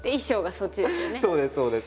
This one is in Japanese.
そうですそうです。